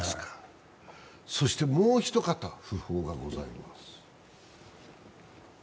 そしてもう一方、訃報がございます。